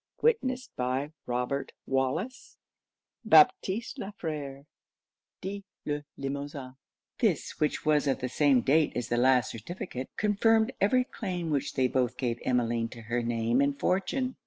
Witnessed by ROBERT WALLACE, BAPTISTE LA FERE, (dit Le Limosin.)' This, which was of the same date as the last certificate, confirmed every claim which they both gave Emmeline to her name and fortune.